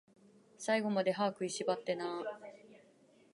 最後まで、歯食いしばってなー